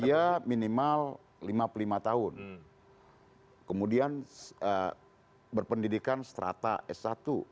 dia minimal lima puluh lima tahun kemudian berpendidikan strata s satu